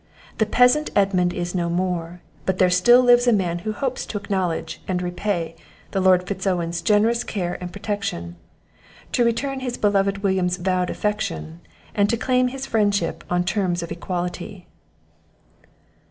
The peasant Edmund is no more; but there still lives a man who hopes to acknowledge, and repay, the Lord Fitz Owen's generous care and protection; to return his beloved William's vowed affection, and to claim his friendship on terms of equality."